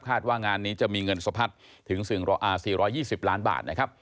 ว่างานนี้จะมีเงินสะพัดถึง๔๒๐ล้านบาทนะครับ